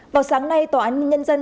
vào sáng nay tòa án nhân dân